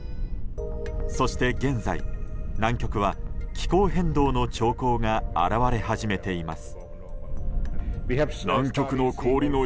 そして現在、南極は気候変動の兆候が表れ始めています。